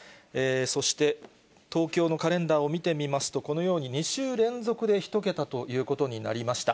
そして東京のカレンダーを見てみますと、このように２週連続で１桁ということになりました。